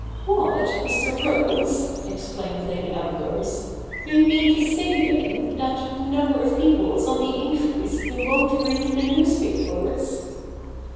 '\\Tiat, Mr. Rose !' exclaimed Lady Ambrose, 'do you mean to say, then, that the number of people is on the increase who wont read the newspapers